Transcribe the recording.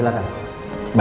bisa tidak untuk mengepopular